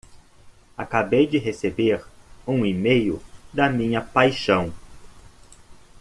Acabei de receber um e-mail da minha paixão!